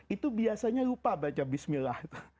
itu biasanya lupa baca bismillah